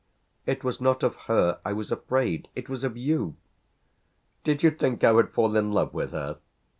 "It was not of her I was afraid. It was of you." "Did you think I would fall in love with her?